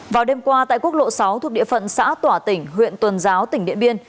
vào đêm qua tại quốc lộ sáu thuộc địa phận xã tỏa tỉnh huyện tuần giáo tỉnh điện biên